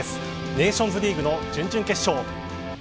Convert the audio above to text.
ネーションズリーグの準々決勝。